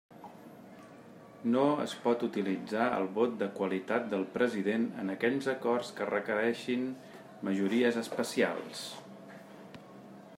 No es pot utilitzar el vot de qualitat del president en aquells acords que requereixin majories especials.